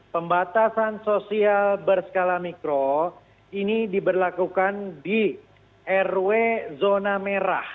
pembatasan sosial berskala mikro ini diberlakukan di rw zona merah